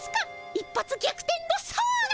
一発逆転の相が！